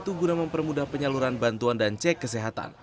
pembangunan mempermudah penyaluran bantuan dan cek kesehatan